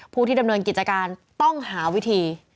ผู้ที่ดำเนินกิจการต้องหาวิธี